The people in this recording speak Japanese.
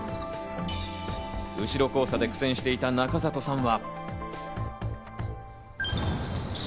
後ろ交差で苦戦していた中里さんは。